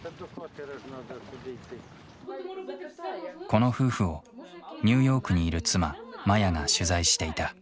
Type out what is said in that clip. この夫婦をニューヨークにいる妻マヤが取材していた。